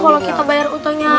kalau kita bayar utangnya